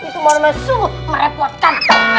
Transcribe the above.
itu mau menyesu merepotkan